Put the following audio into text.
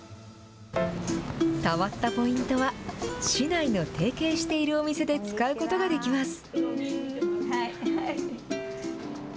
たまったポイントは市内の提携しているお店で使うことができます。